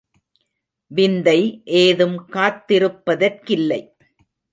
விந்தை ஏதும் காத்திருப்பதற்கில்லை.